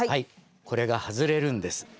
これが外れるんです。